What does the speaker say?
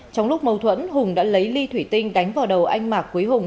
trong lúc mâu thuẫn hùng đã lấy ly thủy tinh đánh vào đầu anh mạc quý hùng